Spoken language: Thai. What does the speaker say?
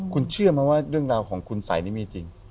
คุณเชื่อไหมว่าเรื่องราวของคุณสัยนี่มีจริง